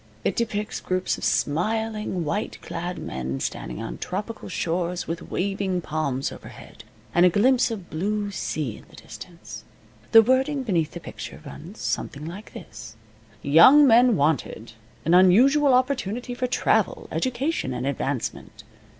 It depicts groups of smiling, white clad men standing on tropical shores, with waving palms overhead, and a glimpse of blue sea in the distance. The wording beneath the picture runs something like this: "Young men wanted. An unusual opportunity for travel, education, and advancement.